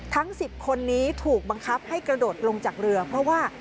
ทั้ง๑๐คนนี้ถูกบังคับให้กระโดดลงจากเรือเพราะว่า